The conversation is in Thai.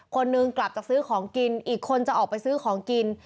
คนนึงกลับจากซื้อของกินอีกคนจะออกไปซื้อของกิน